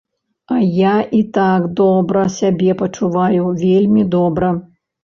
А я і так добра сябе пачуваю, вельмі добра.